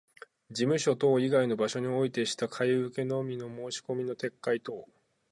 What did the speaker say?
事務所等以外の場所においてした買受けの申込みの撤回等